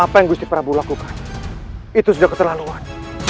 apa yang gusti prabu lakukan itu sudah keterlaluan